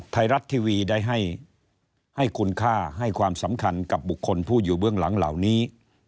ไทยรัฐทีวีได้ให้คุณค่าให้ความสำคัญกับบุคคลผู้อยู่เบื้องหลังเหล่านี้